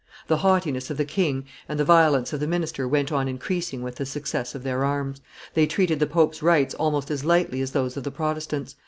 The haughtiness of the king and the violence of the minister went on increasing with the success of their arms; they treated the pope's rights almost as lightly as those of the Protestants.